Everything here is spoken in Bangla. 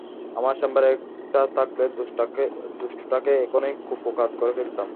আমার চেম্বারে একটা থাকলে, দুষ্টুটাকে এখন-ই কুপোকাত করে ফেলতাম।